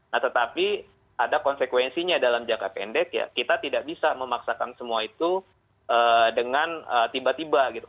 nah tetapi ada konsekuensinya dalam jangka pendek ya kita tidak bisa memaksakan semua itu dengan tiba tiba gitu